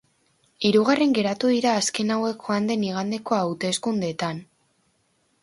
Hirugarren geratu dira azken hauek joan den igandeko hauteskundeetan.